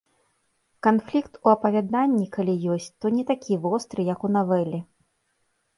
Канфлікт у апавяданні, калі ёсць, то не такі востры, як у навеле.